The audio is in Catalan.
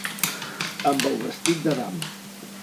Amb el vestit d'Adam.